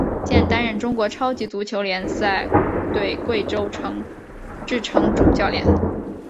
现担任中国超级足球联赛球队贵州智诚主教练。